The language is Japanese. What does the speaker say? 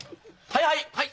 はいはい！